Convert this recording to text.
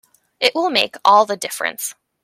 It will make all the difference.